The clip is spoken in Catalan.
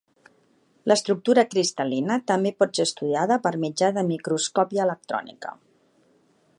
L'estructura cristal·lina també pot ser estudiada per mitjà de microscòpia electrònica.